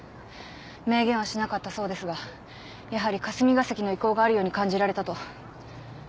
明言はしなかったそうですがやはり霞が関の意向があるように感じられたと。